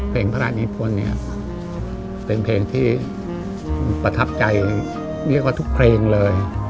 เพลงพระราชนิพลเนี่ยเป็นเพลงที่ประทับใจเรียกว่าทุกเพลงเลย